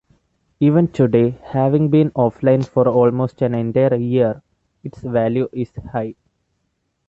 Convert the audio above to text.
Even today, having been offline for almost an entire year, its value is high.